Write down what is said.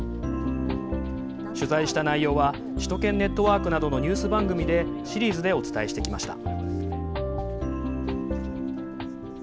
取材した内容は「首都圏ネットワーク」などのニュース番組でシリーズでお伝えしてきました。